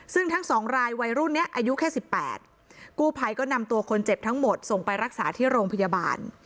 ซึ่งทั้งสองรายวัยรุ่นนี้อายุแค่๑๘กู้ภัยก็นำตัวคนเจ็บทั้งหมดส่งไปรักษาที่โรงพยาบาล